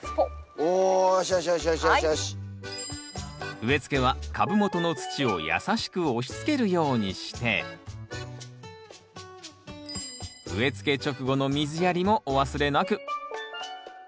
植え付けは株元の土を優しく押しつけるようにして植え付け直後の水やりもお忘れなく。